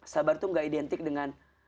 sabar itu gak identik dengan